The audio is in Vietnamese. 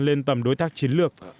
lên tầm đối tác chiến lược